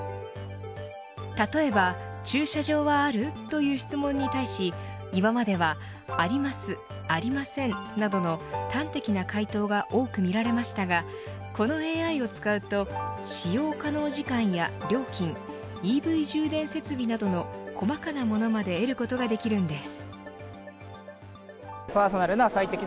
例えば、駐車場はあるという質問に対し今までは、ありますありません、などの端的な回答が多く見られましたがこのＡＩを使うと使用可能時間や料金ＥＶ充電設備などの細かなものまで得ることができるんです。